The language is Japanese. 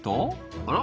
あら！